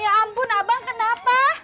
ya ampun abang kenapa